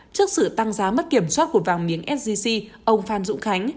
trước sự tăng giá mất kiểm soát của vàng miếng sgc ông phan dũng khánh